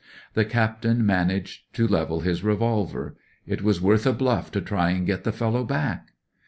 The captain managed to level his revolver. " It was worth a bluff to try and get the fellow back."